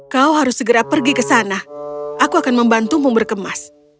kau harus segera pergi ke sana aku akan membantumu berkemas